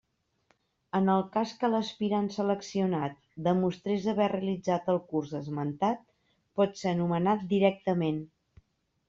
En el cas que l'aspirant seleccionat demostrés haver realitzat el curs esmentat pot ser nomenat directament.